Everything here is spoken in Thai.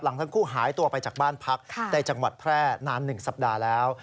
ทั้งคู่หายตัวไปจากบ้านพักในจังหวัดแพร่นาน๑สัปดาห์แล้ว